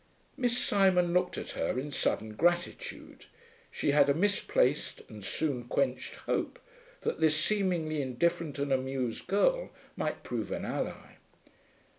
Miss Simon looked at her in sudden gratitude; she had a misplaced and soon quenched hope that this seemingly indifferent and amused girl might prove an ally.